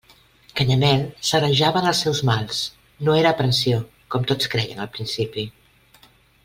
Canyamel s'agreujava en els seus mals: no era aprensió, com tots creien al principi.